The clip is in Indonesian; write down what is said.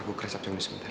aku kresap dulu sebentar